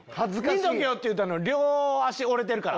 「見とけよ」って言うたのに両足折れてるから。